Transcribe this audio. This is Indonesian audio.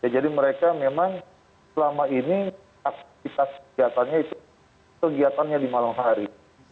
mereka memang selama ini aktivitas kegiatannya itu kegiatannya di malam hari